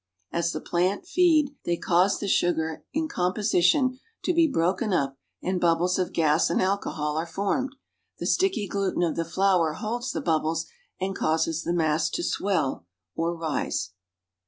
As the plant feed they cause the sugar in composition to be broken up and bubbles of gas and alcohol are formed; the sticky gkiten of the flour holds the bubbles and causes the mass to swell, or rise.